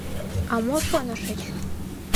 — А мо шонышыч?